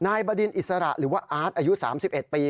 บดินอิสระหรือว่าอาร์ตอายุ๓๑ปี